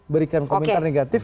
berikan komentar negatif